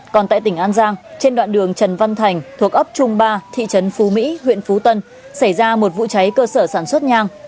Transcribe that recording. còn tại tỉnh an giang trên đoạn đường trần văn thành thuộc ấp trung ba thị trấn phú mỹ huyện phú tân xảy ra một vụ cháy cơ sở sản xuất nhang